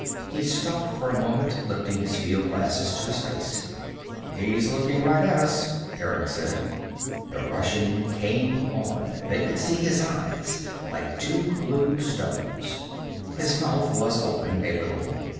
He stopped for a moment, lifting his fieldglasses to his face. "He's looking right at us," Eric said. The Russian came on. They could see his eyes, like two blue stones. His mouth was open a little.